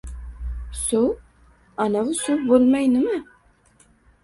— Suv? Anavi suv bo‘lmay, nima?!